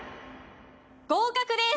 合格です！